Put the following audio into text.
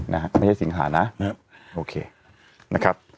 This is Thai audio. นะฮะก็ไม่ใช่สิงหานะโอเคนะครับ